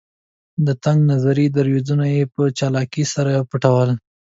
د تنګ نظري دریځونه یې په چالاکۍ سره پټول.